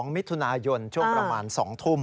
มิถุนายนช่วงประมาณ๒ทุ่ม